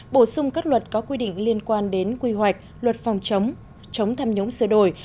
bổ sung các luật có quy định liên quan đến quy hoạch luật phòng chống chống tham nhũng sửa đổi